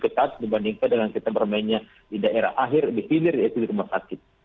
ketat dibandingkan dengan kita bermainnya di daerah akhir di hilir yaitu di rumah sakit